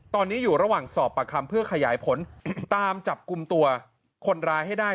ตอนนี้อยู่ระหว่างสอบประคำเพื่อขยายผลตามจับกลุ่มตัวคนร้ายให้ได้